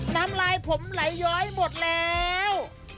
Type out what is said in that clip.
น้ำลายผมไหลย้อยหมดแล้ว